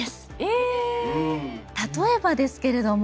例えばですけれども。